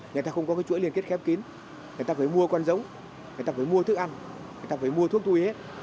người ta không có cái chuỗi liên kết khép kín người ta phải mua con giống người ta phải mua thức ăn người ta phải mua thuốc tui hết